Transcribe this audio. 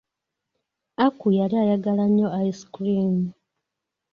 Aku yali ayagala nnyo ice cream.